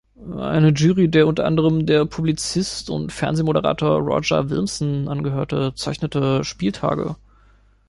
Eine Jury, der unter anderem der Publizist und Fernsehmoderator Roger Willemsen angehörte, zeichnete "Spieltage.